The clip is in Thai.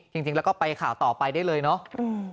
จริงแล้วก็ไปข่าวต่อไปได้เลยเนาะ